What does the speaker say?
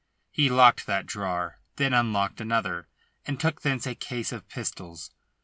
He locked that drawer; then unlocked another, and took thence a case of pistols.